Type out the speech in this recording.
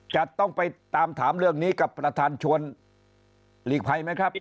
จะต้องไปตามถามเรื่องนี้กับประธานชวนหลีกภัยไหมครับ